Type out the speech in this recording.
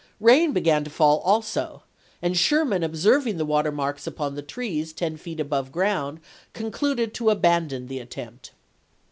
Rain began to fall also, and Sherman observing the water marks upon the trees ten feet above ground concluded to abandon the attempt.